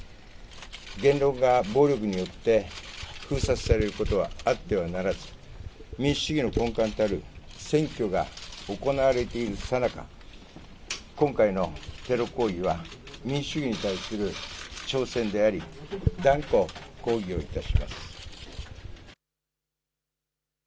言論が暴力によって封殺されることはあってはならず、民主主義の根幹たる選挙が行われているさなか、今回のテロ行為は民主主義に対する挑戦であり、断固抗議をいたします。